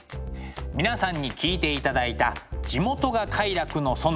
皆さんに聴いていただいた「地元が快楽の園」。